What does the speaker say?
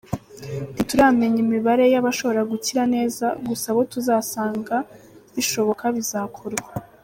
Ntituramenya imibare y’abashobora gukira neza, gusa abo tuzasanga bishoboka, bizakorwa.